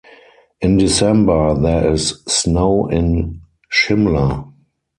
In December there is snow in Shimla.